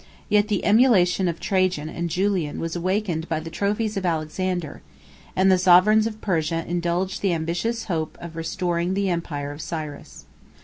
Yet the emulation of Trajan and Julian was awakened by the trophies of Alexander, and the sovereigns of Persia indulged the ambitious hope of restoring the empire of Cyrus.